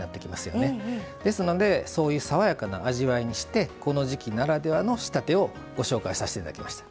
ですのでそういう爽やかな味わいにしてこの時季ならではの仕立てをご紹介させていただきました。